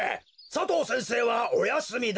佐藤先生はおやすみだ。